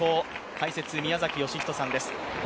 解説・宮崎義仁さんです。